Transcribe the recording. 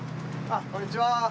あっこんにちは。